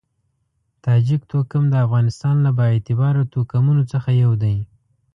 تاجک توکم د افغانستان له با اعتباره توکمونو څخه یو دی.